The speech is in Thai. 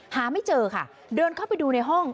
หาไม่เจอค่ะเดินเข้าไปดูในห้อง